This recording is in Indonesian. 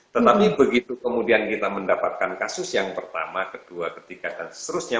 tetapi begitu kemudian kita mendapatkan kasus yang pertama kedua ketiga dan seterusnya